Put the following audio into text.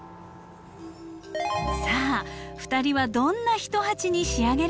さあ２人はどんな一鉢に仕上げるのでしょうか。